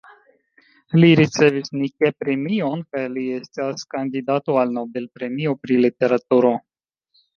Li ricevis Nike-premion kaj li estas kandidato al Nobel-premio pri literaturo.